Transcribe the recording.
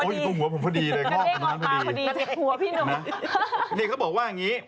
อยู่ตรงหัวพี่หนุ่มพอดี